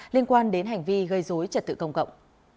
liên quan đến hành vi gây dối trật tự công cộng